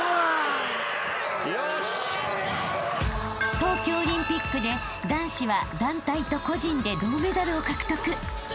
［東京オリンピックで男子は団体と個人で銅メダルを獲得］